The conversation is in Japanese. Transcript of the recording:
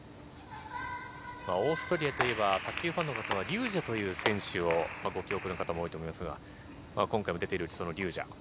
オーストリアといえば、卓球ファンの方は、リュージェという選手をご記憶の方も多いと思いますが、今回も出ているそのリュージャ。